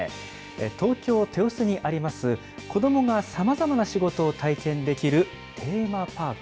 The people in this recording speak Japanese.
東京・豊洲にあります、子どもがさまざまな仕事を体験できるテーマパーク。